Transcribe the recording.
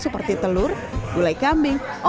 seperti telur gulai kambing opor dan lontok